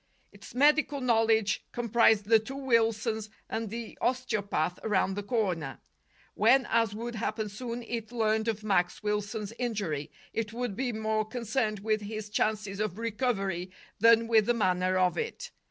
Its medical knowledge comprised the two Wilsons and the osteopath around the corner. When, as would happen soon, it learned of Max Wilson's injury, it would be more concerned with his chances of recovery than with the manner of it.